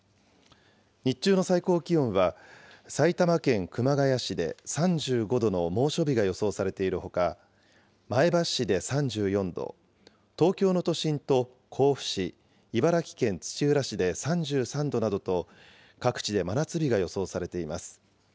日中の最高気温は、埼玉県熊谷市で３５度の猛暑日が予想されているほか、前橋市で３４度、東京の都心と甲府市、茨城県土浦市で３３度などと、各地で真夏日が予想されています。